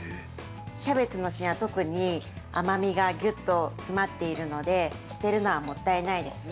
キャベツの芯は特に甘みがぎゅうっと詰まっているので捨てるのはもったいないですね。